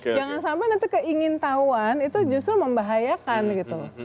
jangan sampai nanti keingin tahuan itu justru membahayakan gitu loh